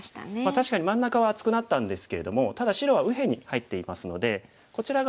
確かに真ん中は厚くなったんですけれどもただ白は右辺に入っていますのでこちら側